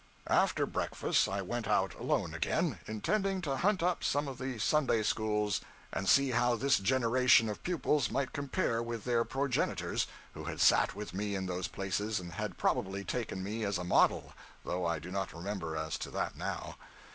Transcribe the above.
After breakfast, I went out alone again, intending to hunt up some of the Sunday schools and see how this generation of pupils might compare with their progenitors who had sat with me in those places and had probably taken me as a model though I do not remember as to that now.